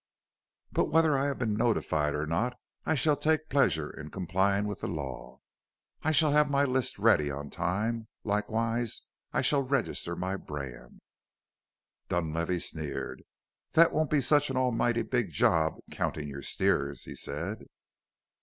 "But whether I have been notified or not I shall take pleasure in complying with the law. I shall have my list ready on time likewise I shall register my brand." Dunlavey sneered. "That won't be such an almighty big job counting your steers," he said.